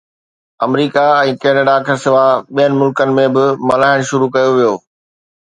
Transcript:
آمريڪا ۽ Canada کانسواءِ ٻين ملڪن ۾ به ملهائڻ شروع ڪيو ويو